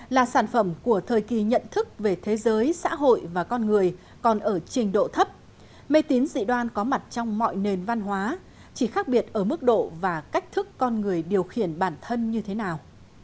là sản phẩm của thời kỳ nhận thức về thế giới xã hội và con người còn ở trình độ thấp mê tín dị đoan có mặt trong mọi nền văn hóa chỉ khác biệt ở mức độ và cách thức con người điều khiển bản thân như thế nào